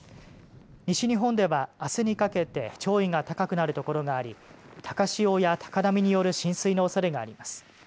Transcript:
西日本ではあすにかけて潮位が高くなるところがあり高潮や高波による浸水のおそれがあります。